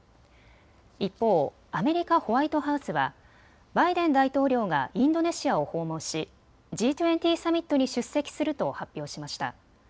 一方、アメリカ・ホワイトハウスはバイデン大統領がインドネシアを訪問しＧ２０サミットに出席すると発表しました。